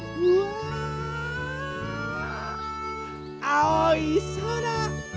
あおいそら。